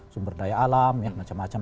sumber daya alam yang macam macam